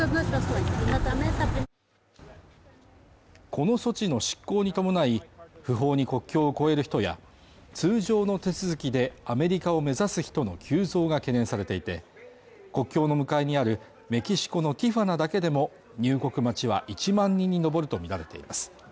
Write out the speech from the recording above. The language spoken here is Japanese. この措置の失効に伴い、不法に国境を越える人や、通常の手続きでアメリカを目指す人の急増が懸念されていて、国境の向かいにあるメキシコのティファナだけでも入国待ちは１万人に上るとみられています。